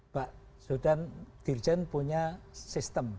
pak dirjen punya sistem